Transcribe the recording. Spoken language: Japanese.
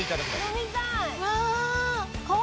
飲みたい。わ。